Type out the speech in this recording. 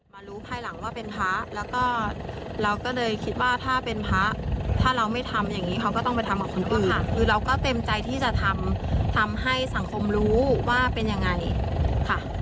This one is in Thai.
มารู้ภายหลังว่าเป็นพระแล้วก็เราก็เลยคิดว่าถ้าเป็นพระถ้าเราไม่ทำอย่างนี้เขาก็ต้องไปทำกับคนนู้นค่ะคือเราก็เต็มใจที่จะทำให้สังคมรู้ว่าเป็นยังไงค่ะ